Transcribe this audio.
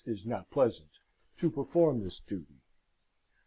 is not pleasant) to perform this duty.